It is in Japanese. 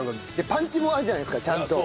パンチもあるじゃないですかちゃんと。